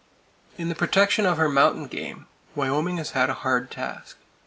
In the protection of her mountain game, Wyoming has had a hard task.